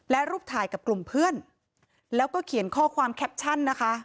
และรูปถ่ายกับกลุ่มเพื่อนแล้วก็เขียนข้อความแคปชั่นนะคะ